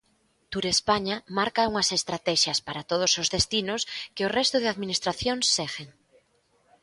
Turespaña marca unhas estratexias para todos os destinos que o resto de administracións seguen.